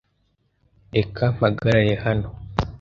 Reka mpagarare hano.